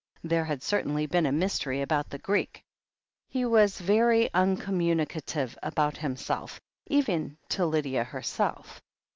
There had certainly been a mystery about the Greek. He was very uncommunica tive about himself— even to Lydia herself.